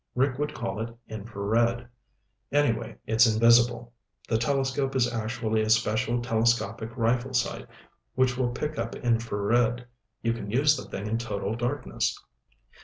Rick would call it infrared. Anyway, it's invisible. The telescope is actually a special telescopic rifle sight which will pick up infrared. You can use the thing in total darkness.